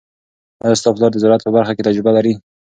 آیا ستا پلار د زراعت په برخه کې تجربه لري؟